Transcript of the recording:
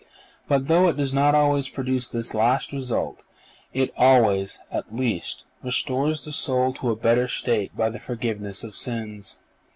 But though it does not always produce this last result, it always, at least, restores the soul to a better state by the forgiveness of sins."